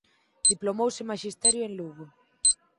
Diplomouse en Maxisterio en Lugo.